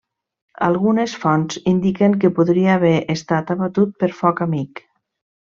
Algunes fonts indiquen que podria haver estat abatut per foc amic.